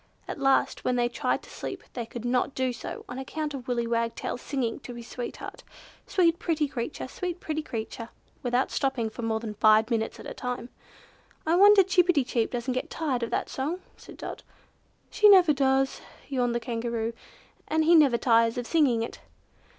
At last when they tried to sleep, they could not do so on account of Willy Wagtail's singing to his sweetheart, "Sweet pretty creature! Sweet pretty creature!" without stopping for more than five minutes at a time. "I wonder Chip pi ti chip doesn't get tired of that song," said Dot. "She never does," yawned the Kangaroo, "and he never tires of singing it."